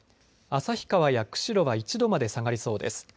旭川や釧路は１度まで下がりそうです。